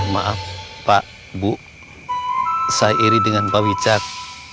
maaf pak bu saya iri dengan pak wicak